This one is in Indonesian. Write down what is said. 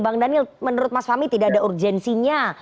bang daniel menurut mas fahmi tidak ada urgensinya